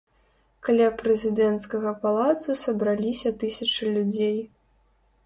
Каля прэзідэнцкага палацу сабраліся тысячы людзей.